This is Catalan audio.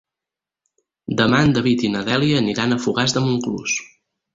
Demà en David i na Dèlia aniran a Fogars de Montclús.